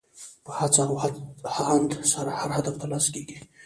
په هڅه او هاند سره هر هدف ترلاسه کېږي.